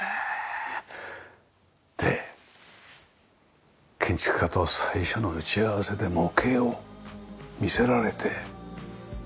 で建築家と最初の打ち合わせで模型を見せられて。